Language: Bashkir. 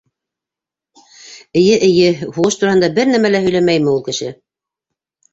— Эйе, эйе, һуғыш тураһында бер нәмә лә һөйләмәйме ул кеше?